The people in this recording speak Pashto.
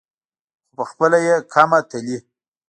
خو پخپله یې کمه تلي.